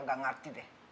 gak ngerti deh